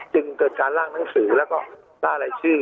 จึงเกิดการล่างหนังสือแล้วก็ล่ารายชื่อ